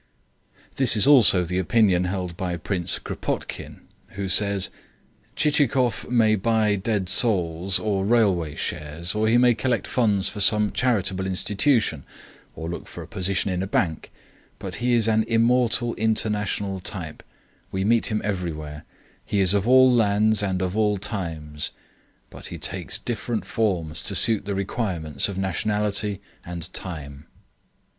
This is also the opinion held by Prince Kropotkin , who says: "Chichikov may buy dead souls, or railway shares, or he may collect funds for some charitable institution, or look for a position in a bank, but he is an immortal international type; we meet him everywhere; he is of all lands and of all times; he but takes different forms to suit the requirements of nationality and time."